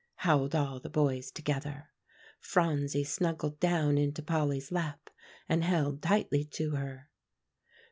howled all the boys together. Phronsie snuggled down into Polly's lap, and held tightly to her.